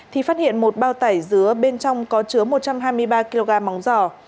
thì phát hiện một bao tải dứa bên trong có chứa một trăm hai mươi ba kg móng giò